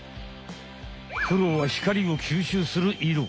黒は光を吸収するいろ。